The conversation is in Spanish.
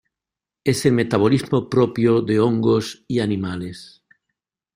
Es el metabolismo propio de hongos y animales.